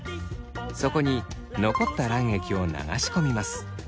そこに残った卵液を流し込みます。